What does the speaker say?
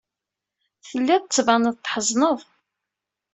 Telliḍ tettbaneḍ-d tḥezneḍ.